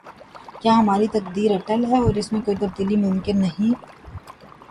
کیا ہماری تقدیر اٹل ہے اور اس میں کوئی تبدیلی ممکن نہیں؟